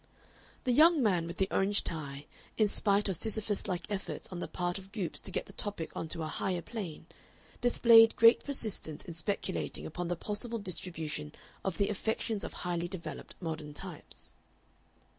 The young man with the orange tie, in spite of Sisyphus like efforts on the part of Goopes to get the topic on to a higher plane, displayed great persistence in speculating upon the possible distribution of the affections of highly developed modern types.